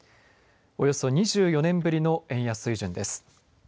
およそ２４年ぶりの円安水準です。